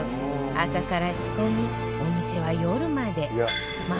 朝から仕込みお店は夜まで